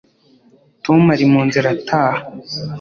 tom ari mu nzira ataha